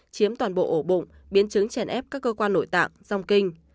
chiếm toàn bộ ổ bụng biến chứng chèn ép các cơ quan nội tạng dòng kinh